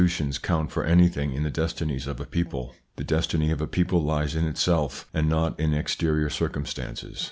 136 THE PSYCHOLOGY OF PEOPLES: tions count for anything in the destinies of a people. The destiny of a people lies in itself, and not in exterior circumstances.